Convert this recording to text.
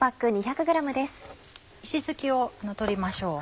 石づきを取りましょう。